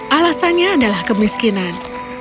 alasannya adalah kemiskinan